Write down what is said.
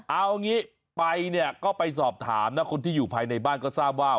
เอางี้ไปเนี่ยก็ไปสอบถามนะคนที่อยู่ภายในบ้านก็ทราบว่า